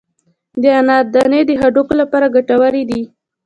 د انار دانې د هډوکو لپاره ګټورې دي.